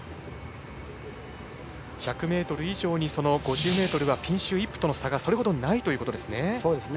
１００ｍ以上に５０ｍはピンシュー・イップとの差がそれほどないということですね。